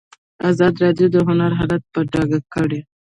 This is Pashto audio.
ازادي راډیو د هنر حالت په ډاګه کړی.